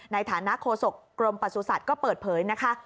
ในฐานะโคศกกรมประสูจน์สัตว์ก็เปิดเผยนะคะ